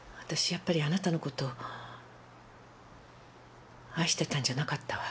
やっぱりあなたの事愛してたんじゃなかったわ。